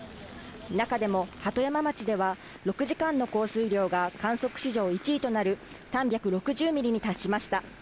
中でも鳩山町では６時間の降水量が観測史上１位となる３６０ミリに達しました。